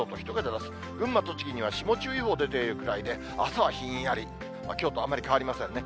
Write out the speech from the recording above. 群馬、栃木には霜注意報が出ているくらいで、朝はひんやり、きょうとあまり変わりませんね。